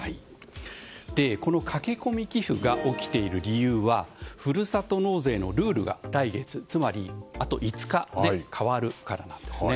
この駆け込み寄付が起きている理由はふるさと納税のルールが来月、つまりあと５日で変わるからなんですね。